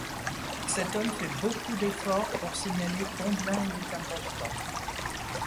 Cet homme fait beaucoup d’effort pour signaler combien il est important.